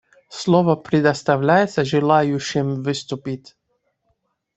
Слово предоставляется желающим выступить.